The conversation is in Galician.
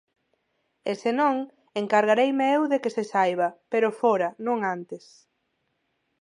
E se non, encargareime eu de que se saiba, pero fóra, non antes.